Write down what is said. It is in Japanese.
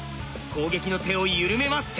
攻撃の手を緩めません。